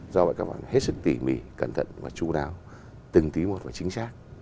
do vậy các bạn hết sức tỉ mỉ cẩn thận và chú đáo từng tí một và chính xác